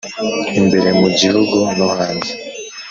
imbere mu gihugu no hanze